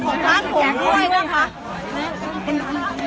ก็ไม่มีใครกลับมาเมื่อเวลาอาทิตย์เกิดขึ้น